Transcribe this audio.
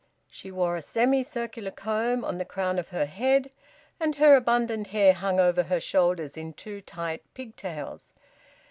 She wore a semi circular comb on the crown of her head, and her abundant hair hung over her shoulders in two tight pigtails.